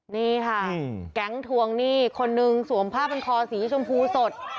นี่ค่ะแก๊งทวงหนี้คนนึงสวมผ้าพันคอสีชมพูสด